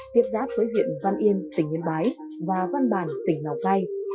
tiếp giáp với huyện văn yên tỉnh yên bái và văn bàn tỉnh lào cai